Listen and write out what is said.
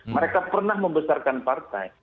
mereka pernah membesarkan partai